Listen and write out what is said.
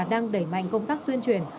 đang đẩy mạnh công tác tuyên truyền